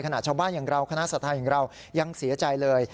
ขณะชาวบ้านอย่างเราคณะสถานอย่างเรายังเสียใจเลย